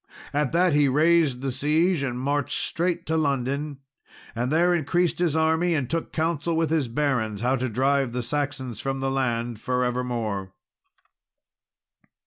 At that he raised the siege, and marched straight to London, and there increased his army, and took counsel with his barons how to drive the Saxons from the land for evermore.